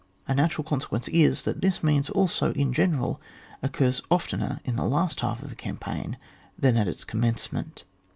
A natural consequence is, that this means also in general occurs oftener in the last half of a campaign than at its commencement.